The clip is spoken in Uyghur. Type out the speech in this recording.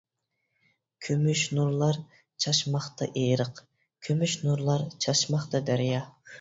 كۆمۈش نۇرلار چاچماقتا ئېرىق، كۆمۈش نۇرلار چاچماقتا دەريا.